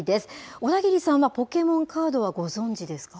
小田切さんはポケモンカードはご存じですか。